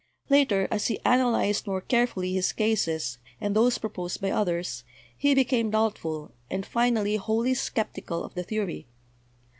Later, as he analyzed) more carefully his cases, and those proposed by others, he became doubtful, and finally wholly skeptical of the theory.